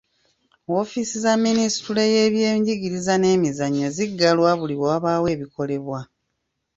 Woofiisi za Minisitule y'ebyenjigiriza n'emizannyo ziggalwa buli lwe wabaawo ebikolebwa.